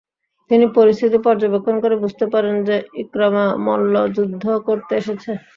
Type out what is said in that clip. তিনি পরিস্থিতি পর্যবেক্ষণ করে বুঝতে পারেন যে, ইকরামা মল্লযুদ্ধ করতে এসেছে।